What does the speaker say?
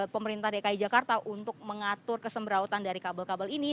pemerintah dki jakarta untuk mengatur kesemberautan dari kabel kabel ini